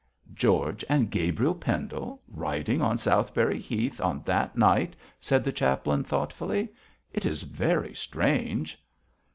'George and Gabriel Pendle riding on Southberry Heath on that night,' said the chaplain, thoughtfully; 'it is very strange.'